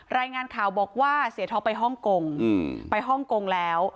รายงานข่าวบอกว่าเสียท็อปไปฮ่องกงไปฮ่องกงแล้ว